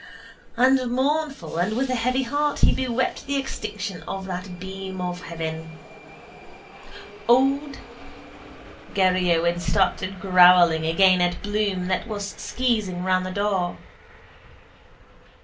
And mournful and with a heavy heart he bewept the extinction of that beam of heaven. Old Garryowen started growling again at Bloom that was skeezing round the door.